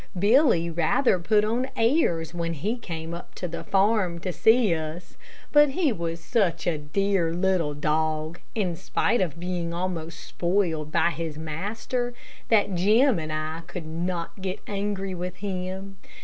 Billy rather put on airs when he came up to the farm to see us, but he was such a dear, little dog, in spite of being almost spoiled by his master, that Jim and I could not get angry with him.